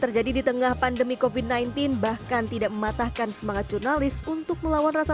terjadi di tengah pandemi kofi sembilan belas bahkan tidak mematahkan semangat jurnalis untuk melawan rasa